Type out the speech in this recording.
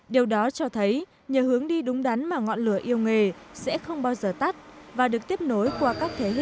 điều đó cho thấy nhờ hướng đi đúng đắn mà ngọn lửa yêu nghề sẽ không bao giờ tắt và được tiếp nối qua các thế hệ